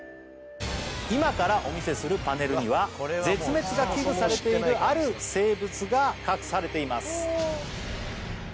今からお見せするパネルには絶滅が危惧されているある生物が隠されています